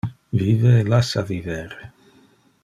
Vive e lassa viver.